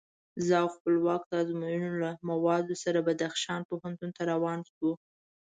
زه او خپلواک د ازموینو له موادو سره بدخشان پوهنتون ته روان شوو.